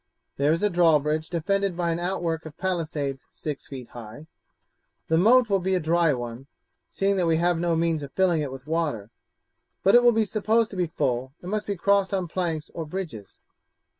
There is a drawbridge defended by an outwork of palisades six feet high. The moat will be a dry one, seeing that we have no means of filling it with water, but it will be supposed to be full, and must be crossed on planks or bridges.